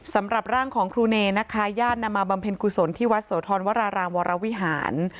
สำหรับร่างของครูเนนะคะญาตินำมาบำเพ็ญกุศลที่วัดโสธรวรารามวรวิหาร